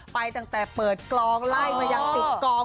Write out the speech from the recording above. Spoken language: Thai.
ไปตั้งแต่เปิดกล้องใหม่ยังปิดกล้อง